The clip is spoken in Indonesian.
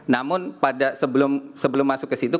namun pada sebelum masuk ke situ